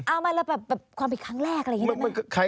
เอามาแล้วแบบความผิดครั้งแรกอะไรอย่างนี้ได้ไหม